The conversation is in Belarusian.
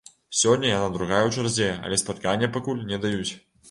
Сёння яна другая ў чарзе, але спаткання пакуль не даюць.